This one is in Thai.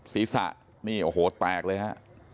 ศีรษะนี่โอ้โหแตกเลยฮะ